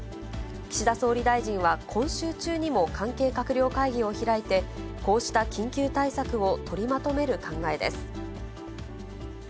岸田総理大臣は今週中にも関係閣僚会議を開いて、こうした緊急対策を取りまとめる考えです。